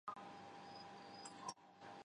担任武警黑龙江总队队长。